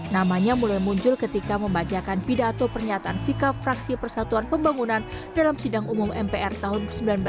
namanya mulai muncul ketika membajakan pidato pernyataan sikap fraksi persatuan pembangunan dalam sidang umum mpr tahun seribu sembilan ratus sembilan puluh